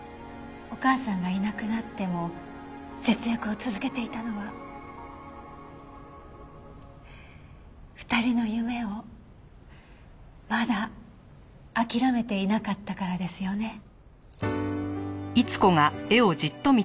お母さんがいなくなっても節約を続けていたのは２人の夢をまだ諦めていなかったからですよね？